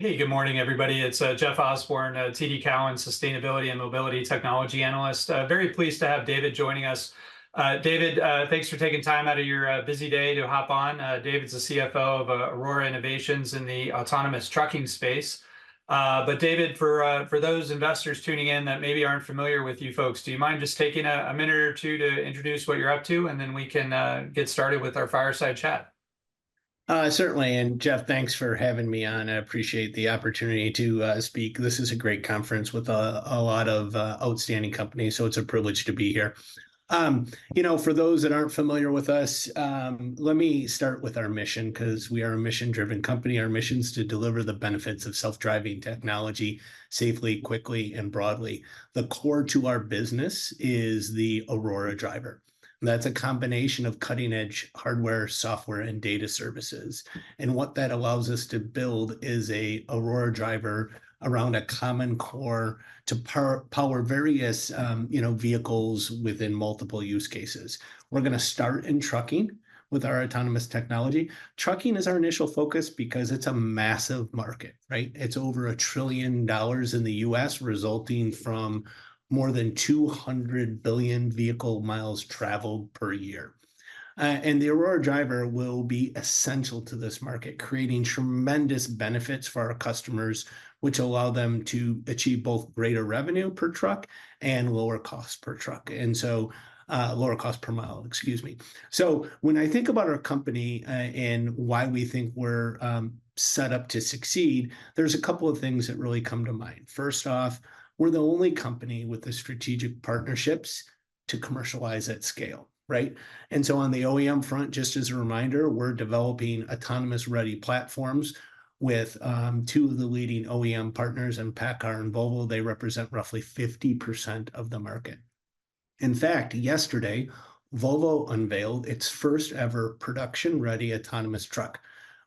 Hey, good morning, everybody. It's Jeff Osborne, TD Cowen, sustainability and mobility technology analyst. Very pleased to have David joining us. David, thanks for taking time out of your busy day to hop on. David's the CFO of Aurora Innovation in the autonomous trucking space. But David, for those investors tuning in that maybe aren't familiar with you folks, do you mind just taking a minute or two to introduce what you're up to? And then we can get started with our fireside chat. Certainly, and Jeff, thanks for having me on. I appreciate the opportunity to speak. This is a great conference with a lot of outstanding companies, so it's a privilege to be here. You know, for those that aren't familiar with us, let me start with our mission, 'cause we are a mission-driven company. Our mission's to deliver the benefits of self-driving technology safely, quickly, and broadly. The core to our business is the Aurora Driver. That's a combination of cutting-edge hardware, software, and data services, and what that allows us to build is a Aurora Driver around a common core to power various, you know, vehicles within multiple use cases. We're gonna start in trucking with our autonomous technology. Trucking is our initial focus because it's a massive market, right? It's over $1 trillion in the U.S., resulting from more than 200 billion vehicle miles traveled per year. And the Aurora Driver will be essential to this market, creating tremendous benefits for our customers, which allow them to achieve both greater revenue per truck and lower cost per truck, and so, lower cost per mile, excuse me. So when I think about our company, and why we think we're set up to succeed, there's a couple of things that really come to mind. First off, we're the only company with the strategic partnerships to commercialize at scale, right? And so on the OEM front, just as a reminder, we're developing autonomous-ready platforms with 2 of the leading OEM partners in PACCAR and Volvo. They represent roughly 50% of the market. In fact, yesterday, Volvo unveiled its first-ever production-ready autonomous truck,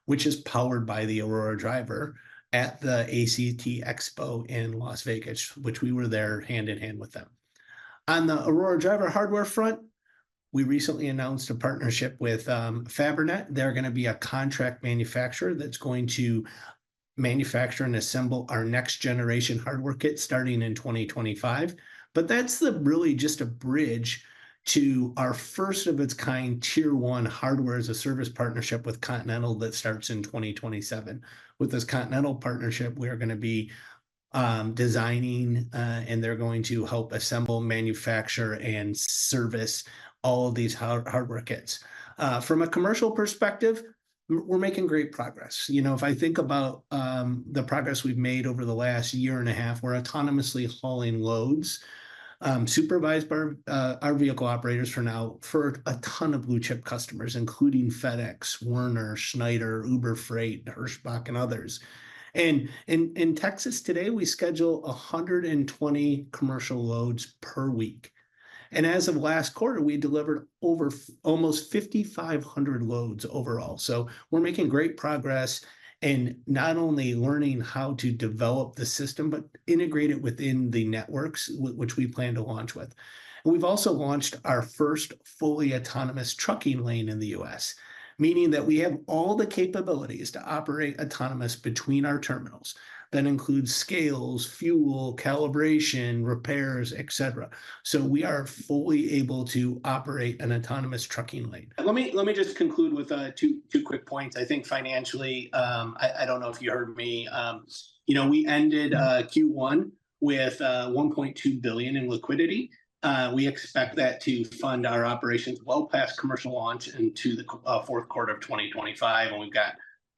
which is powered by the Aurora Driver, at the ACT Expo in Las Vegas, which we were there hand-in-hand with them. On the Aurora Driver hardware front, we recently announced a partnership with Fabrinet. They're gonna be a contract manufacturer that's going to manufacture and assemble our next-generation hardware kit, starting in 2025. But that's really just a bridge to our first-of-its-kind, Tier 1 hardware-as-a-service partnership with Continental that starts in 2027. With this Continental partnership, we're gonna be designing, and they're going to help assemble, manufacture, and service all of these hardware kits. From a commercial perspective, we're making great progress. You know, if I think about the progress we've made over the last year and a half, we're autonomously hauling loads supervised by our vehicle operators for now, for a ton of blue-chip customers, including FedEx, Werner, Schneider, Uber Freight, Hirschbach, and others. And in Texas today, we schedule 120 commercial loads per week, and as of last quarter, we delivered over almost 5,500 loads overall. So we're making great progress in not only learning how to develop the system, but integrate it within the networks which we plan to launch with. And we've also launched our first fully autonomous trucking lane in the U.S., meaning that we have all the capabilities to operate autonomous between our terminals. That includes scales, fuel, calibration, repairs, et cetera. So we are fully able to operate an autonomous trucking lane. Let me just conclude with two quick points. I think financially, I don't know if you heard me, you know, we ended Q1 with $1.2 billion in liquidity. We expect that to fund our operations well past commercial launch into the fourth quarter of 2025, and we've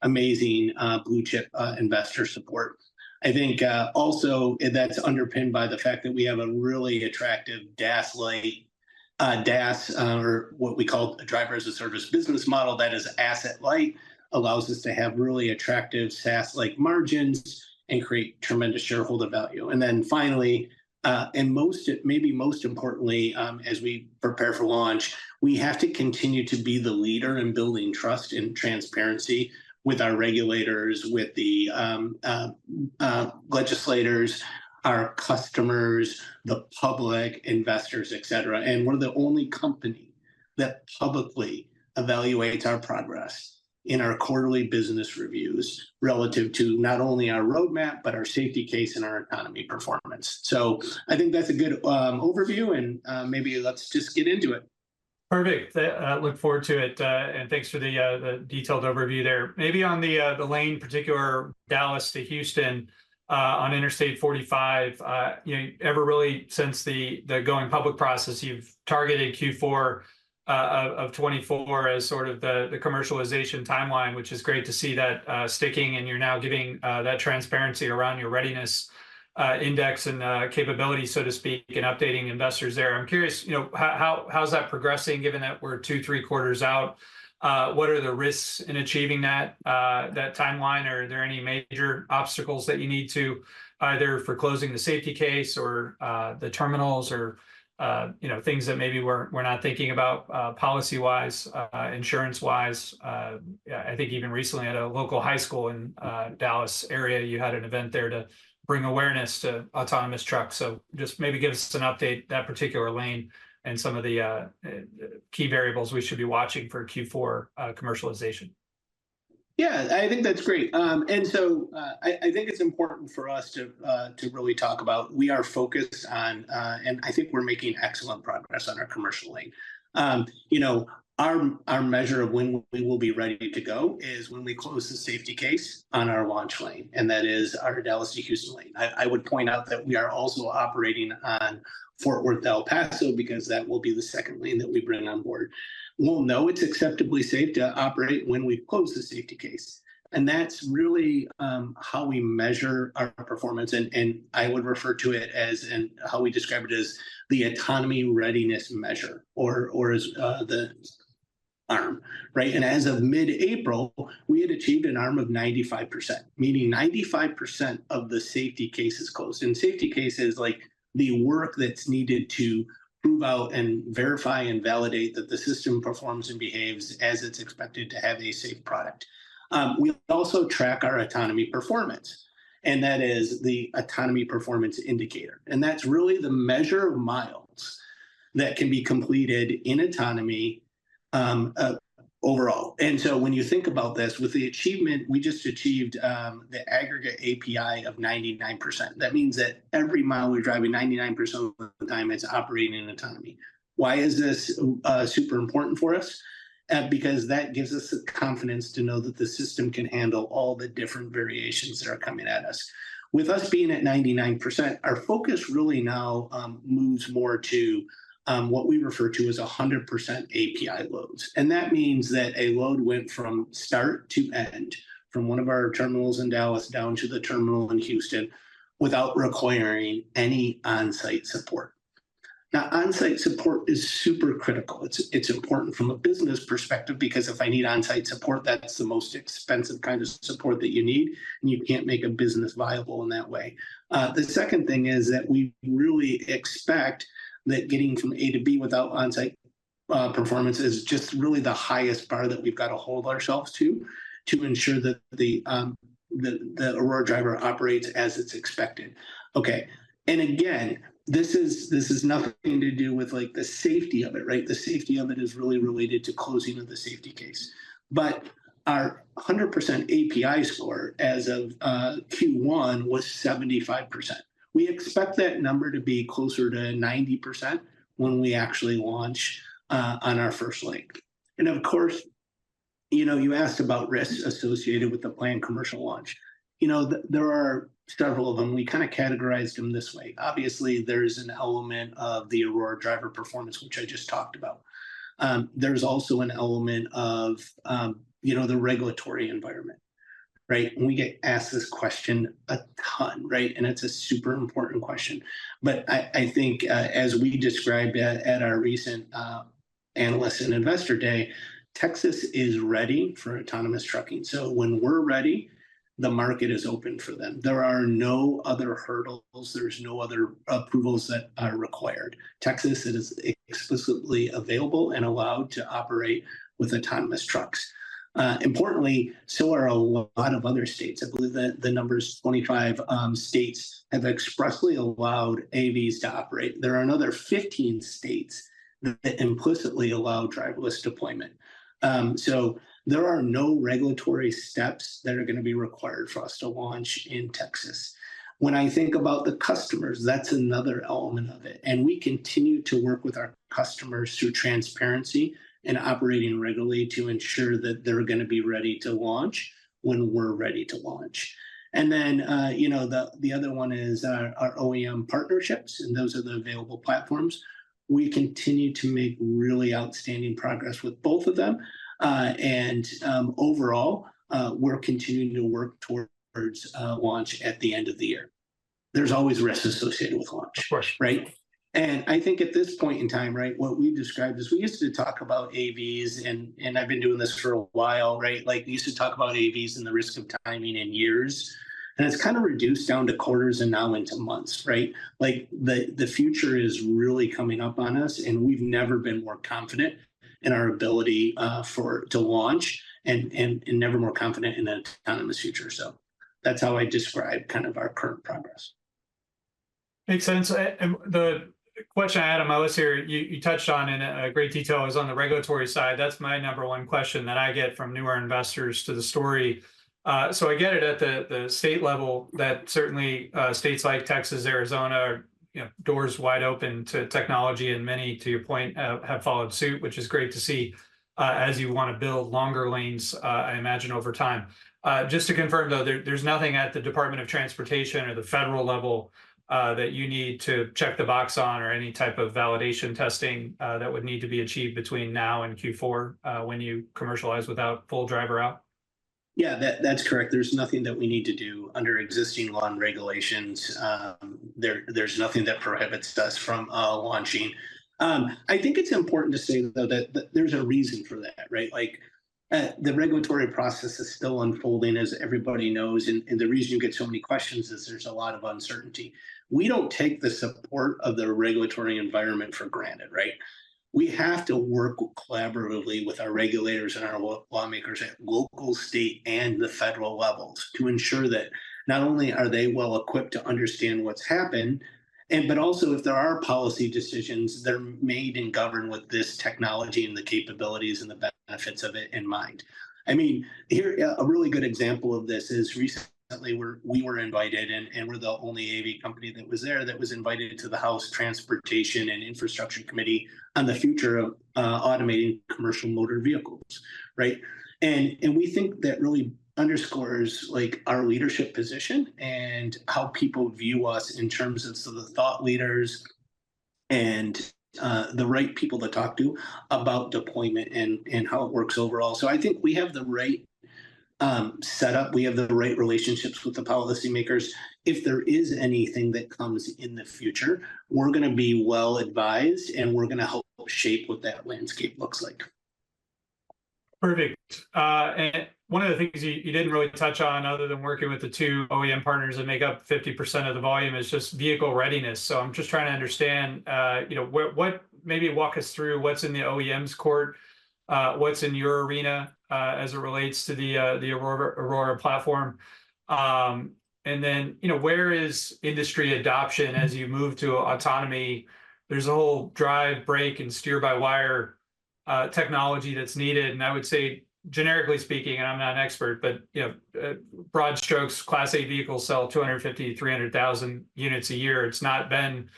got amazing blue-chip investor support. I think also, and that's underpinned by the fact that we have a really attractive asset-light... DaaS, or what we call Driver-as-a-Service business model that is asset-light, allows us to have really attractive SaaS-like margins and create tremendous shareholder value. And then finally, and maybe most importantly, as we prepare for launch, we have to continue to be the leader in building trust and transparency with our regulators, with the legislators, our customers, the public, investors, et cetera. And we're the only company that publicly evaluates our progress in our quarterly business reviews, relative to not only our roadmap, but our safety case and our economy performance. So I think that's a good overview, and maybe let's just get into it. Perfect. Look forward to it, and thanks for the detailed overview there. Maybe on the particular lane, Dallas to Houston, on Interstate 45, you know, ever really since the going public process, you've targeted Q4 of 2024 as sort of the commercialization timeline, which is great to see that sticking, and you're now giving that transparency around your readiness index and capability, so to speak, and updating investors there. I'm curious, you know, how's that progressing, given that we're two, three quarters out? What are the risks in achieving that timeline? Are there any major obstacles that you need to either for closing the safety case or the terminals or, you know, things that maybe we're not thinking about, policy-wise, insurance-wise? I think even recently at a local high school in Dallas area, you had an event there to bring awareness to autonomous trucks. So just maybe give us an update, that particular lane, and some of the key variables we should be watching for Q4 commercialization?... Yeah, I think that's great. And so, I think it's important for us to really talk about we are focused on, and I think we're making excellent progress on our commercial lane. You know, our measure of when we will be ready to go is when we close the Safety Case on our launch lane, and that is our Dallas to Houston lane. I would point out that we are also operating on Fort Worth to El Paso, because that will be the second lane that we bring on board. We'll know it's acceptably safe to operate when we close the Safety Case, and that's really how we measure our performance. And I would refer to it as, and how we describe it as the Autonomy Readiness Measure or as the ARM, right? As of mid-April, we had achieved an ARM of 95%, meaning 95% of the safety cases closed. Safety cases, like, the work that's needed to move out and verify and validate that the system performs and behaves as it's expected to have a safe product. We also track our autonomy performance, and that is the autonomy performance indicator. That's really the measure of miles that can be completed in autonomy, overall. So when you think about this, with the achievement we just achieved, the aggregate API of 99%. That means that every mile we're driving, 99% of the time it's operating in autonomy. Why is this super important for us? Because that gives us the confidence to know that the system can handle all the different variations that are coming at us. With us being at 99%, our focus really now moves more to what we refer to as 100% API loads. That means that a load went from start to end, from one of our terminals in Dallas down to the terminal in Houston, without requiring any onsite support. Now, onsite support is super critical. It's important from a business perspective, because if I need onsite support, that's the most expensive kind of support that you need, and you can't make a business viable in that way. The second thing is that we really expect that getting from A-B without onsite performance is just really the highest bar that we've got to hold ourselves to, to ensure that the Aurora Driver operates as it's expected. Okay, and again, this is nothing to do with, like, the safety of it, right? The safety of it is really related to closing of the Safety Case. But our 100% API score as of Q1 was 75%. We expect that number to be closer to 90% when we actually launch on our first link. And of course, you know, you asked about risks associated with the planned commercial launch. You know, there are several of them. We kind of categorized them this way. Obviously, there's an element of the Aurora Driver performance, which I just talked about. There's also an element of, you know, the regulatory environment, right? And we get asked this question a ton, right? And it's a super important question. But I think, as we described at our recent analyst and investor day, Texas is ready for autonomous trucking. So when we're ready, the market is open for them. There are no other hurdles. There's no other approvals that are required. Texas is explicitly available and allowed to operate with autonomous trucks. Importantly, so are a lot of other states. I believe that the number is 25 states have expressly allowed AVs to operate. There are another 15 states that implicitly allow driverless deployment. So there are no regulatory steps that are gonna be required for us to launch in Texas. When I think about the customers, that's another element of it, and we continue to work with our customers through transparency and operating regularly to ensure that they're gonna be ready to launch when we're ready to launch. And then, you know, the other one is our OEM partnerships, and those are the available platforms. We continue to make really outstanding progress with both of them. Overall, we're continuing to work towards launch at the end of the year. There's always risk associated with launch- Of course. Right? And I think at this point in time, right, what we've described is we used to talk about AVs, and I've been doing this for a while, right? Like, we used to talk about AVs and the risk of timing in years, and it's kind of reduced down to quarters and now down to months, right? Like, the future is really coming up on us, and we've never been more confident in our ability to launch, and never more confident in an autonomous future. So that's how I describe kind of our current progress. Makes sense. And the question, Adam, that you touched on in great detail is on the regulatory side. That's my number one question that I get from newer investors to the story. So I get it at the state level that certainly states like Texas, Arizona are, you know, doors wide open to technology, and many, to your point, have followed suit, which is great to see, as you wanna build longer lanes, I imagine over time. Just to confirm, though, there's nothing at the Department of Transportation or the federal level that you need to check the box on or any type of validation testing that would need to be achieved between now and Q4 when you commercialize without full driver out? Yeah, that, that's correct. There's nothing that we need to do under existing law and regulations. There, there's nothing that prohibits us from launching. I think it's important to say, though, that, that there's a reason for that, right? Like, the regulatory process is still unfolding, as everybody knows, and, and the reason you get so many questions is there's a lot of uncertainty. We don't take the support of the regulatory environment for granted, right?... We have to work collaboratively with our regulators and our lawmakers at local, state, and the federal levels to ensure that not only are they well-equipped to understand what's happened, and but also if there are policy decisions that are made and governed with this technology and the capabilities and the benefits of it in mind. I mean, here a really good example of this is recently we were invited, and we're the only AV company that was there that was invited to the House Transportation and Infrastructure Committee on the future of automating commercial motor vehicles, right? And we think that really underscores, like, our leadership position and how people view us in terms of some of the thought leaders and the right people to talk to about deployment and how it works overall. So I think we have the right setup, we have the right relationships with the policymakers. If there is anything that comes in the future, we're gonna be well-advised, and we're gonna help shape what that landscape looks like. Perfect. And one of the things you didn't really touch on, other than working with the two OEM partners that make up 50% of the volume, is just vehicle readiness. So I'm just trying to understand, you know, what... Maybe walk us through what's in the OEM's court, what's in your arena, as it relates to the Aurora, Aurora platform. And then, you know, where is industry adoption as you move to autonomy? There's a whole drive-by-wire, brake-by-wire, and steer-by-wire technology that's needed, and I would say, generically speaking, and I'm not an expert, but, you know, broad strokes, Class 8 vehicles sell 250,000-300,000 units a year. It's not been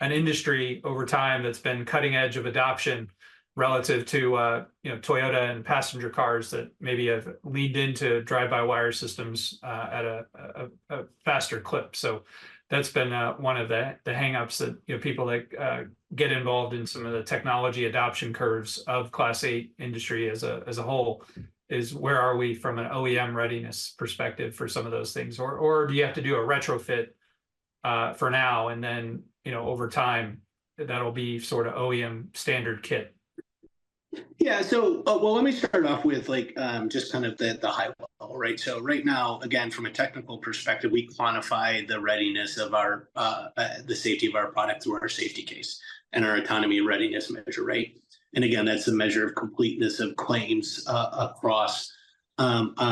an industry over time that's been cutting edge of adoption relative to, you know, Toyota and passenger cars that maybe have leaned into drive-by-wire systems, at a faster clip. So that's been, one of the hangups that, you know, people that get involved in some of the technology adoption curves of Class 8 industry as a whole, is where are we from an OEM readiness perspective for some of those things? Or, do you have to do a retrofit, for now, and then, you know, over time, that'll be sort of OEM standard kit? Yeah, so, well, let me start off with, like, just kind of the high level, right? So right now, again, from a technical perspective, we quantify the readiness of our, the safety of our product through our safety case and our Autonomy Readiness Measure, right? And again, that's a measure of completeness of claims, across, for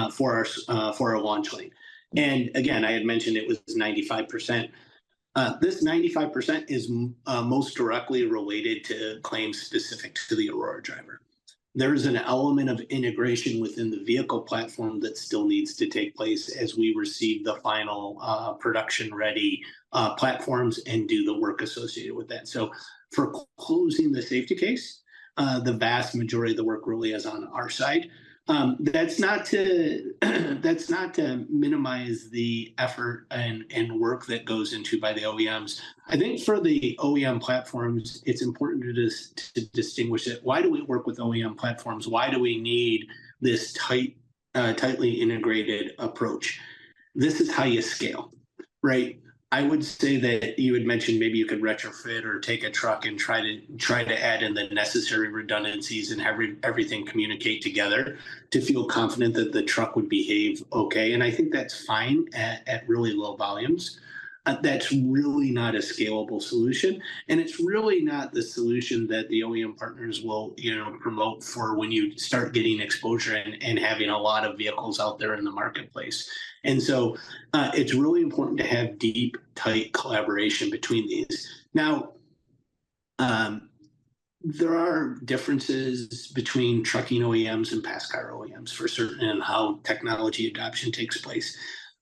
our launch lane. And again, I had mentioned it was 95%. This 95% is most directly related to claims specific to the Aurora Driver. There is an element of integration within the vehicle platform that still needs to take place as we receive the final, production-ready, platforms and do the work associated with that. So for closing the safety case, the vast majority of the work really is on our side. That's not to minimize the effort and work that goes into by the OEMs. I think for the OEM platforms, it's important to distinguish it. Why do we work with OEM platforms? Why do we need this tight, tightly integrated approach? This is how you scale, right? I would say that you had mentioned maybe you could retrofit or take a truck and try to add in the necessary redundancies and everything communicate together to feel confident that the truck would behave okay, and I think that's fine at really low volumes. That's really not a scalable solution, and it's really not the solution that the OEM partners will, you know, promote for when you start getting exposure and having a lot of vehicles out there in the marketplace. It's really important to have deep, tight collaboration between these. Now, there are differences between trucking OEMs and passenger car OEMs, for certain, and how technology adoption takes place.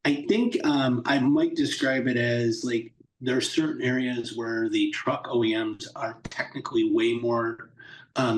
I think, I might describe it as, like, there are certain areas where the truck OEMs are technically way more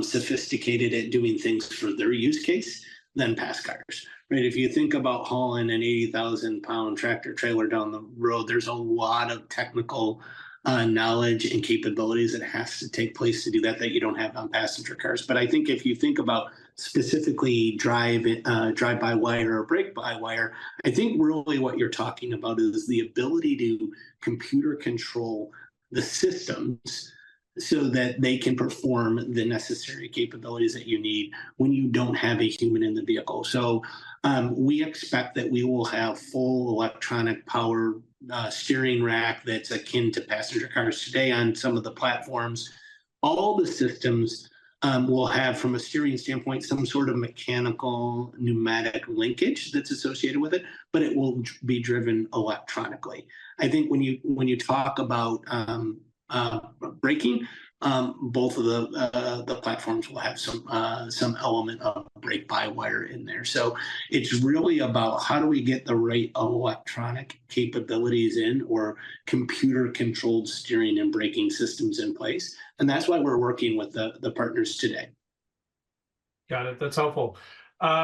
sophisticated at doing things for their use case than passenger cars, right? If you think about hauling an 80,000-pound tractor-trailer down the road, there's a lot of technical knowledge and capabilities that has to take place to do that, that you don't have on passenger cars. But I think if you think about specifically drive-by-wire or brake-by-wire, I think really what you're talking about is the ability to computer control the systems so that they can perform the necessary capabilities that you need when you don't have a human in the vehicle. So, we expect that we will have full electronic power steering rack that's akin to passenger cars today on some of the platforms. All the systems will have, from a steering standpoint, some sort of mechanical pneumatic linkage that's associated with it, but it will be driven electronically. I think when you, when you talk about braking, both of the platforms will have some some element of brake-by-wire in there. So it's really about how do we get the right electronic capabilities in, or computer-controlled steering and braking systems in place, and that's why we're working with the the partners today. Got it. That's helpful.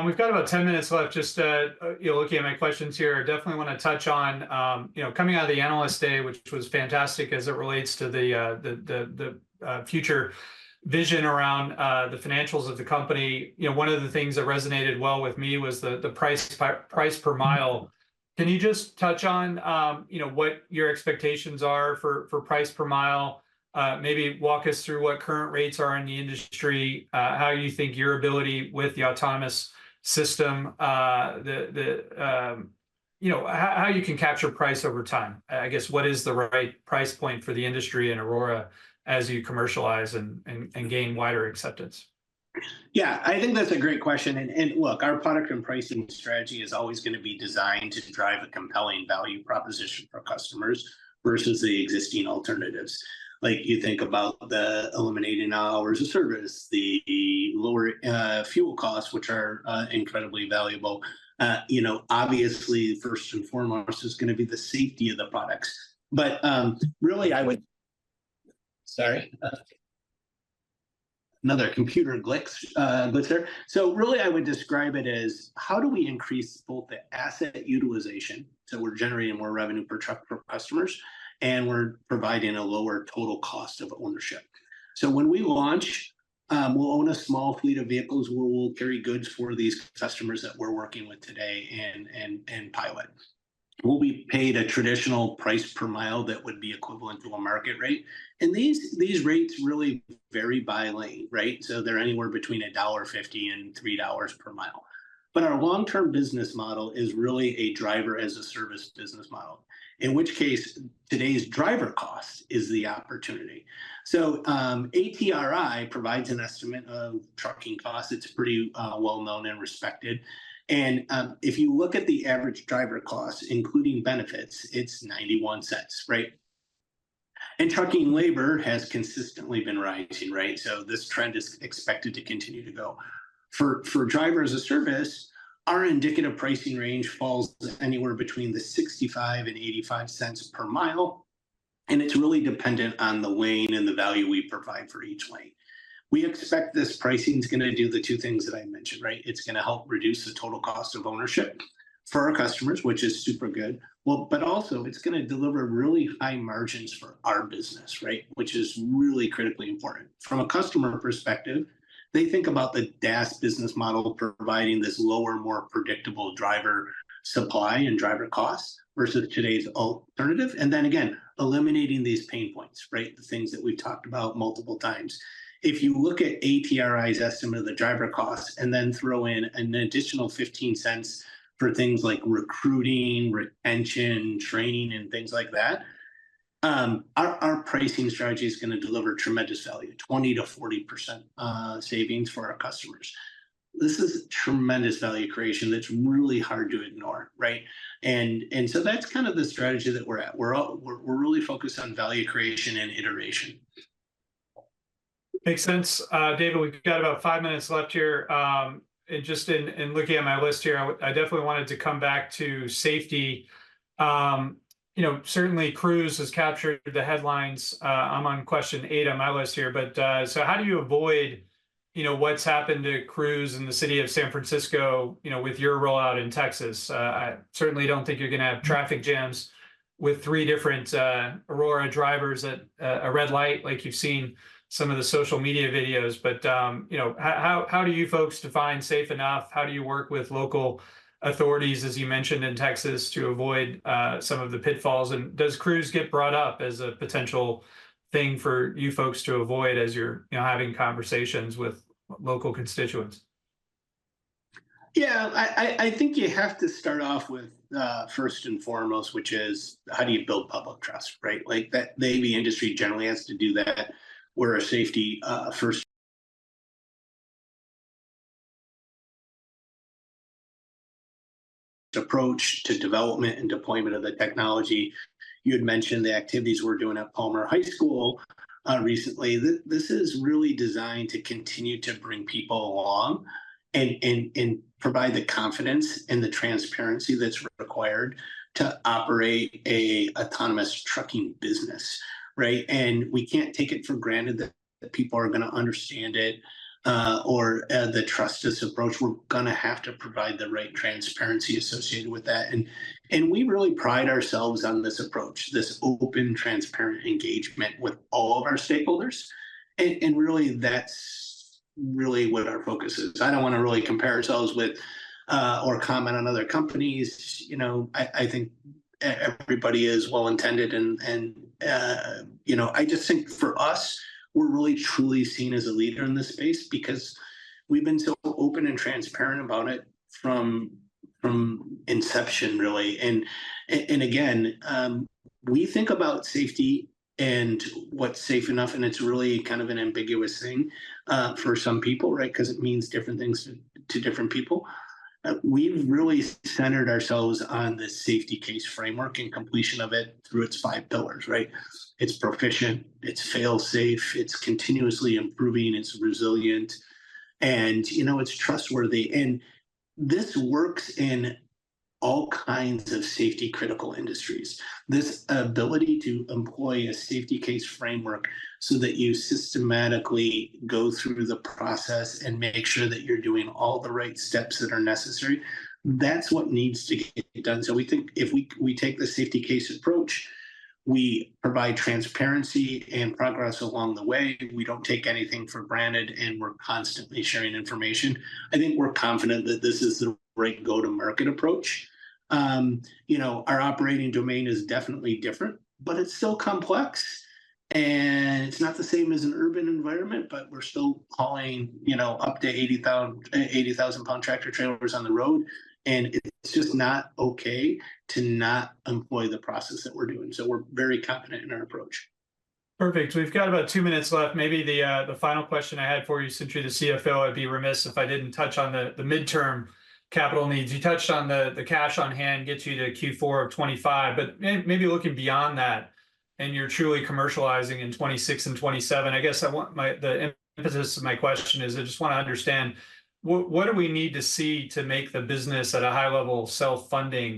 We've got about 10 minutes left. Just, you know, looking at my questions here, I definitely wanna touch on, you know, coming out of the Analyst Day, which was fantastic as it relates to the future vision around the financials of the company. You know, one of the things that resonated well with me was the price per mile. Can you just touch on, you know, what your expectations are for price per mile? Maybe walk us through what current rates are in the industry, how you think your ability with the autonomous system, you know, how you can capture price over time? I guess what is the right price point for the industry and Aurora as you commercialize and gain wider acceptance? Yeah, I think that's a great question, and look, our product and pricing strategy is always gonna be designed to drive a compelling value proposition for customers versus the existing alternatives. Like, you think about the eliminating hours of service, the lower fuel costs, which are incredibly valuable. You know, obviously, first and foremost, is gonna be the safety of the products. But really I would- sorry, another computer glitch there. So really I would describe it as how do we increase both the asset utilization, so we're generating more revenue per truck for customers, and we're providing a lower total cost of ownership? So when we launch, we'll own a small fleet of vehicles where we'll carry goods for these customers that we're working with today and pilot. We'll be paid a traditional price per mile that would be equivalent to a market rate, and these, these rates really vary by lane, right? So they're anywhere between $1.50-$3 per mile. But our long-term business model is really a driver-as-a-service business model, in which case, today's driver cost is the opportunity. So, ATRI provides an estimate of trucking costs. It's pretty well-known and respected, and if you look at the average driver cost, including benefits, it's $0.91, right? And trucking labor has consistently been rising, right? So this trend is expected to continue to go. For driver-as-a-service, our indicative pricing range falls anywhere between $0.65-$0.85 per mile, and it's really dependent on the lane and the value we provide for each lane. We expect this pricing's gonna do the two things that I mentioned, right? It's gonna help reduce the total cost of ownership for our customers, which is super good. Well, but also, it's gonna deliver really high margins for our business, right? Which is really critically important. From a customer perspective, they think about the DaaS business model providing this lower, more predictable driver supply and driver costs versus today's alternative, and then again, eliminating these pain points, right? The things that we've talked about multiple times. If you look at ATRI's estimate of the driver costs, and then throw in an additional $0.15 for things like recruiting, retention, training, and things like that, our pricing strategy is gonna deliver tremendous value, 20%-40% savings for our customers. This is tremendous value creation that's really hard to ignore, right? And so that's kind of the strategy that we're at. We're really focused on value creation and iteration. Makes sense. David, we've got about five minutes left here. And just in looking at my list here, I definitely wanted to come back to safety. You know, certainly Cruise has captured the headlines. I'm on question eight on my list here, but so how do you avoid, you know, what's happened to Cruise in the city of San Francisco, you know, with your rollout in Texas? I certainly don't think you're gonna have traffic jams with three different Aurora drivers at a red light, like you've seen some of the social media videos. But you know, how, how, how do you folks define safe enough? How do you work with local authorities, as you mentioned, in Texas, to avoid some of the pitfalls? Does Cruise get brought up as a potential thing for you folks to avoid as you're, you know, having conversations with local constituents? Yeah, I think you have to start off with, first and foremost, which is how do you build public trust, right? Like, that, the AV industry generally has to do that. We're a safety first approach to development and deployment of the technology. You had mentioned the activities we're doing at Palmer High School recently. This is really designed to continue to bring people along and provide the confidence and the transparency that's required to operate an autonomous trucking business, right? And we can't take it for granted that people are gonna understand it or the trust us approach. We're gonna have to provide the right transparency associated with that, and we really pride ourselves on this approach, this open, transparent engagement with all of our stakeholders. And really, that's really what our focus is. I don't wanna really compare ourselves with, or comment on other companies. You know, I think everybody is well-intended, and you know, I just think for us, we're really truly seen as a leader in this space because we've been so open and transparent about it from inception, really. We think about safety and what's safe enough, and it's really kind of an ambiguous thing, for some people, right? 'Cause it means different things to different people. We've really centered ourselves on the Safety Case Framework and completion of it through its five pillars, right? It's proficient, it's fail-safe, it's continuously improving, it's resilient, and, you know, it's trustworthy. This works in all kinds of safety-critical industries. This ability to employ a Safety Case Framework so that you systematically go through the process and make sure that you're doing all the right steps that are necessary, that's what needs to get done. So we think if we take the Safety Case approach, we provide transparency and progress along the way, we don't take anything for granted, and we're constantly sharing information, I think we're confident that this is the right go-to-market approach. You know, our operating domain is definitely different, but it's still complex, and it's not the same as an urban environment, but we're still hauling, you know, up to 80,000-pound tractor trailers on the road, and it's just not okay to not employ the process that we're doing. So we're very confident in our approach.... Perfect. We've got about 2 minutes left. Maybe the final question I had for you, since you're the CFO, I'd be remiss if I didn't touch on the midterm capital needs. You touched on the cash on hand gets you to Q4 of 2025, but maybe looking beyond that, and you're truly commercializing in 2026 and 2027. I guess I want the emphasis of my question is, I just wanna understand, what do we need to see to make the business at a high level self-funding?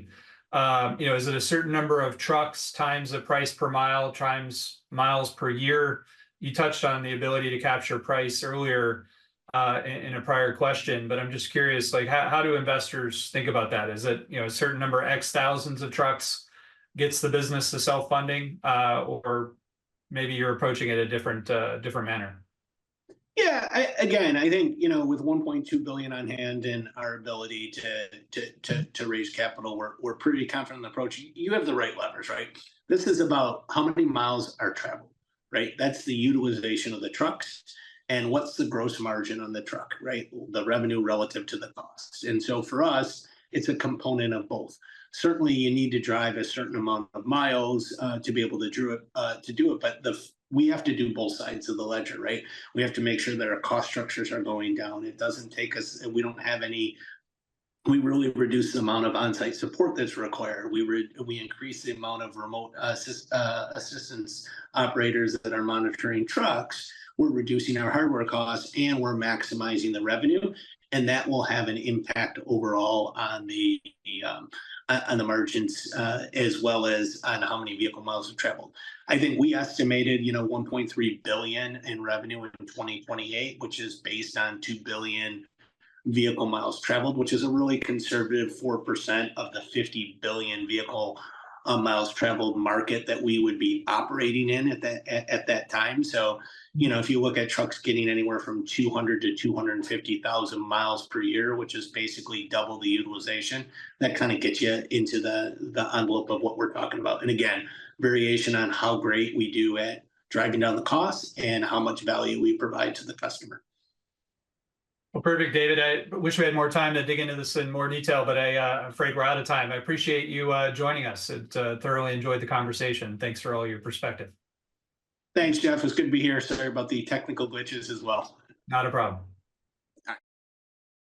You know, is it a certain number of trucks times the price per mile times miles per year? You touched on the ability to capture price earlier in a prior question, but I'm just curious, like, how do investors think about that? Is it, you know, a certain number X thousands of trucks gets the business to self-funding? Or maybe you're approaching it a different, different manner? Yeah, again, I think, you know, with $1.2 billion on hand and our ability to raise capital, we're pretty confident in the approach. You have the right levers, right? This is about how many miles are traveled, right? That's the utilization of the trucks, and what's the gross margin on the truck, right? The revenue relative to the costs. And so for us, it's a component of both. Certainly, you need to drive a certain amount of miles to be able to do it, but we have to do both sides of the ledger, right? We have to make sure that our cost structures are going down. It doesn't take us... And we really reduce the amount of onsite support that's required. We increase the amount of remote assistance operators that are monitoring trucks. We're reducing our hardware costs, and we're maximizing the revenue, and that will have an impact overall on the margins, as well as on how many vehicle miles are traveled. I think we estimated, you know, $1.3 billion in revenue in 2028, which is based on 2 billion vehicle miles traveled, which is a really conservative 4% of the 50 billion vehicle miles traveled market that we would be operating in at that time. So, you know, if you look at trucks getting anywhere from 200-250,000 per year, which is basically double the utilization, that kind of gets you into the envelope of what we're talking about. And again, variation on how great we do at driving down the cost and how much value we provide to the customer. Well, perfect, David. I wish we had more time to dig into this in more detail, but I'm afraid we're out of time. I appreciate you joining us. I thoroughly enjoyed the conversation. Thanks for all your perspective. Thanks, Jeff. It's good to be here. Sorry about the technical glitches as well. Not a problem. Bye.